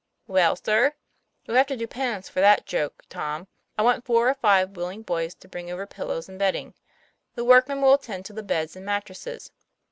"Well, sir." 'You'll have to do penance for that joke, Tom. I want four or five willing boys to bring over pil lows and bedding; the workmen will attend to the beds and mattresses.